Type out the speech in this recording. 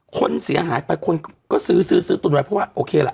คนเสียหายไปคนก็ซื้อซื้อตุนไว้เพราะว่าโอเคล่ะ